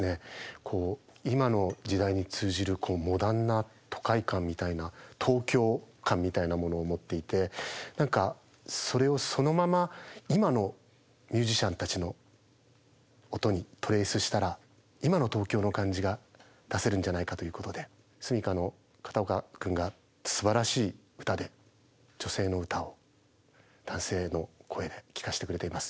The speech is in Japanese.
今の時代に通じるモダンな都会感みたいな東京感みたいなものを持っていて何かそれをそのまま今のミュージシャンたちの音にトレースしたら今の東京の感じが出せるんじゃないかということでｓｕｍｉｋａの片岡君がすばらしい歌で女性の歌を男性の声で聴かしてくれています。